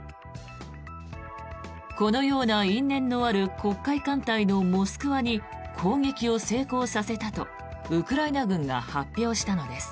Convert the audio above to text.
このような因縁のある黒海艦隊の「モスクワ」に攻撃を成功させたとウクライナ軍が発表したのです。